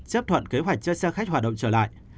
chấp thuận kế hoạch cho xe khách hoạt động trở lại